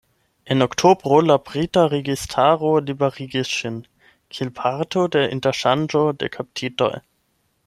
En oktobro la brita registaro liberigis ŝin kiel parto de interŝanĝo de kaptitoj.